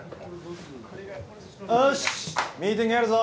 おっしミーティングやるぞ。